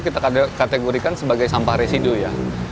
kita kategorikan sebagai sampah residu ya